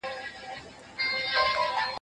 چي ناڅاپه مي ور وښودل غاښونه